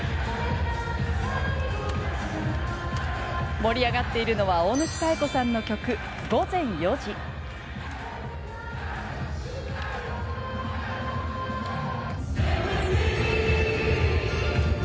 盛り上がっているのは大貫妙子さんの曲「４：００Ａ．Ｍ．」。